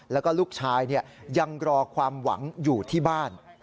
แล้วก็ลูกชายยังรอความหวังอยู่ที่บ้าน